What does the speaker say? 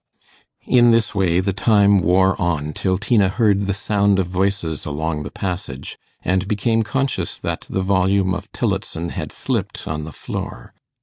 In this way the time wore on till Tina heard the sound of voices along the passage, and became conscious that the volume of Tillotson had slipped on the floor.